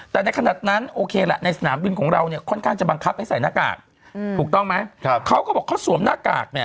แต่ในขณะนั้นโอเคแหละในสนามบินของเราเนี่ยค่อนข้างจะบังคับให้ใส่หน้ากากถูกต้องไหมเขาก็บอกเขาสวมหน้ากากเนี่ย